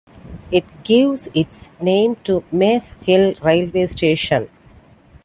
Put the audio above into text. It gives its name to Maze Hill railway station.